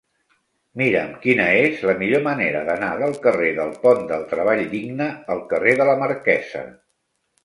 Mira'm quina és la millor manera d'anar del carrer del Pont del Treball Digne al carrer de la Marquesa.